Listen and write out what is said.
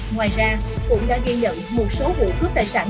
ngoài ra cũng đã ghi nhận một số vụ cướp tài sản